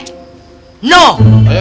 salam ya allah